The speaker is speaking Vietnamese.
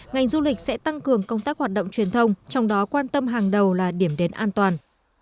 ngành du lịch sẽ tăng cường công tác hoạt động truyền thông trong đó quan tâm hàng đầu là điểm đến an toàn